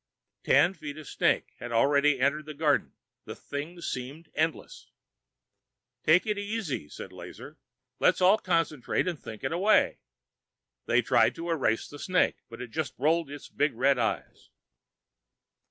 Ten feet of snake had already entered the garden. The thing seemed endless. "Take it easy," said Lazar. "Let's all concentrate and think it away." They tried to erase the snake, but it just rolled its big red eyes.